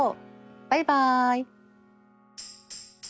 バイバイ。